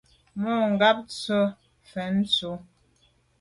Mà ngab tsho’ mfe tù.